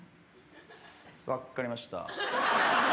わっかりました。